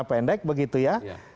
bercelana pendek begitu ya